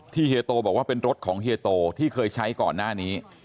เฮียโตบอกว่าเป็นรถของเฮียโตที่เคยใช้ก่อนหน้านี้